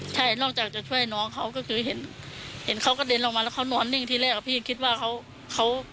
ก็ได้ช่วยน้องเขาก็คือเห็นเขากระเด็นออกมาแล้วเขานอนนิ่งที่แรกก็คิดว่าเขา